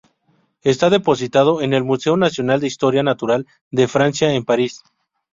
Está depositado en el Museo Nacional de Historia Natural de Francia en París.